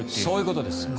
そういうことです。